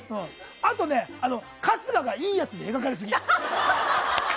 あとね、春日がいいやつに描かれすぎ。